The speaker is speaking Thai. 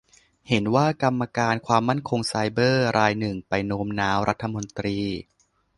เห็นว่ากรรมการความมั่นคงไซเบอร์รายหนึ่งไปโน้มน้าวรัฐมนตรี